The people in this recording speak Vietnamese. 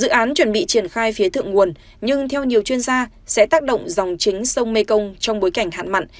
dự án chuẩn bị triển khai phía thượng nguồn nhưng theo nhiều chuyên gia sẽ tác động dòng chính sông mekong trong bối cảnh hạn mặn